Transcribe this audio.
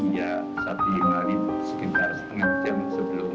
ya saat dihari sekitar setengah jam sebelum